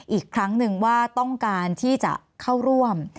อีกครั้งหนึ่งว่าต้องการที่จะเข้าร่วม